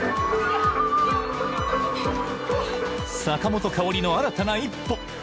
坂本花織の新たな一歩。